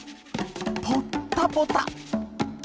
「ポッタポタ」。